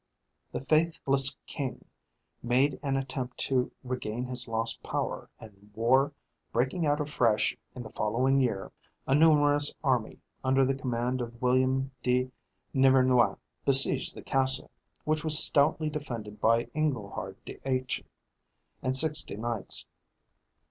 The faithless king made an attempt to regain his lost power, and war breaking out afresh in the following year, a numerous army, under the command of William de Nivernois, besieged the castle, which was stoutly defended by Inglehard de Achie and sixty knights.